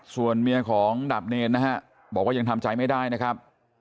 ส่วนแม่ของดับเนย์บอกว่ายังทำใจไม่ได้นะครับ